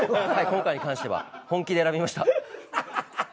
今回に関しては本気で選びました。